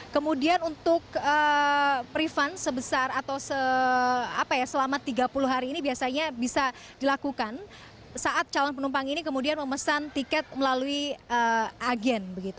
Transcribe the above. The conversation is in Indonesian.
kemudian untuk prefund sebesar atau selama tiga puluh hari ini biasanya bisa dilakukan saat calon penumpang ini kemudian memesan tiket melalui agen